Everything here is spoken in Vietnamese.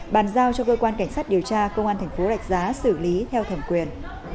bàn giao cho cơ quan cảnh sát điều tra công an tp đạch giá xử lý theo thẩm quyền